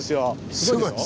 すごいですね。